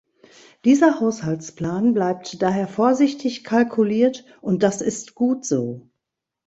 Dieser Haushaltsplan bleibt daher vorsichtig kalkuliert, und das ist gut so.